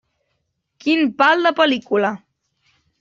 Quin pal de pel·lícula.